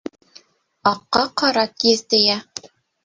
Аҡҡа ҡара тиҙ тейә.